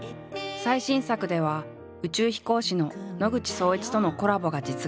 最新作では宇宙飛行士の野口聡一とのコラボが実現。